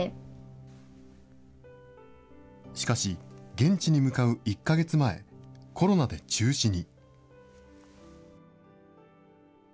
現地に向かう１か月前、コロナで中止に。